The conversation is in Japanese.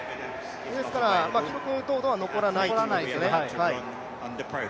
記録等々は残らないということですね。